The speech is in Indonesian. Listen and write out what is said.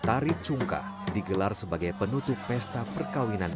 tarik cungkah digelar sebagai penutup pesta perkawasan